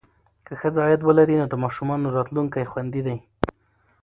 که ښځه عاید ولري، نو د ماشومانو راتلونکی خوندي دی.